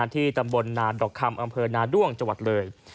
ที่ตำบลนาดอกคำอำเภอนาด้วงจังหวัดเลย